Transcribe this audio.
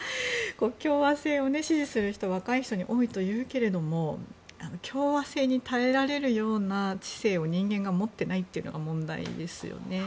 共和制を支持する人は若い人に多いというけれど共和制に耐えられるような知性を人間が持っていないというのが問題ですよね。